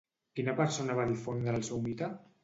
Quina persona va difondre el seu mite?